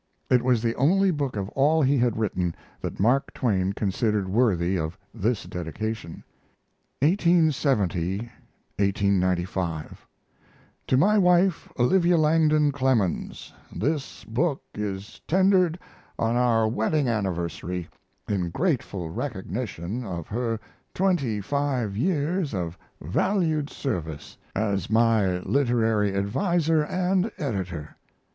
It was the only book of all he had written that Mark Twain considered worthy of this dedication: 1870 To MY WIFE 1895 OLIVIA LANGDON CLEMENS THIS BOOK is tendered on our wedding anniversary in grateful recognition of her twenty five years of valued service as my literary adviser and editor.